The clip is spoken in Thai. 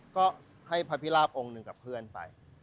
ก็ให้พระพิราบองค์หนึ่งกับเพื่อนไป